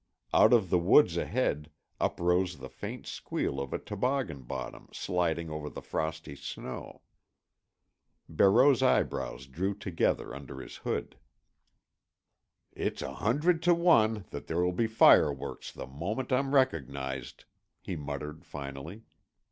Out of the woods ahead uprose the faint squeal of a toboggan bottom sliding over the frosty snow. Barreau's eyebrows drew together under his hood. "It's a hundred to one that there will be fireworks the moment I'm recognized," he muttered finally.